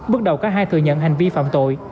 bước đầu các hai thừa nhận hành vi phạm tội